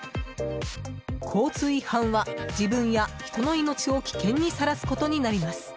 交通違反は自分や人の命を危険にさらすことになります。